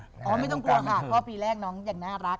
อ๋อไม่ต้องกลัวหาพ่อปีแรกน้องอย่างน่ารัก